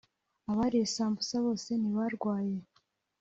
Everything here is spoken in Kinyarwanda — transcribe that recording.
abariye sambusa bose ntibarwaye